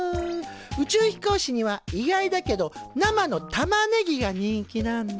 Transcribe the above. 宇宙飛行士には意外だけど生のタマネギが人気なんだ。